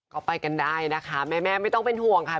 ก็ไปกันได้นะคะแม่ไม่ต้องเป็นห่วงค่ะ